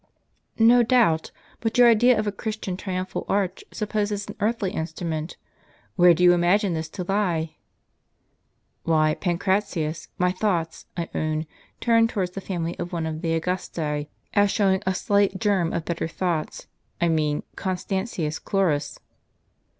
'"" No doubt ; but your idea of a Christian triumphal arch supposes an earthly instrument ; where do you imagine this to lie ?"" Why, Pancratius, my thoughts, I own, turn towards the family of one of the Augusti, as showing a slight germ of better thoughts : I mean, Constantius Chlorus."